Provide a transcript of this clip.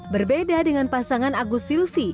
berbeda dengan pasangan agung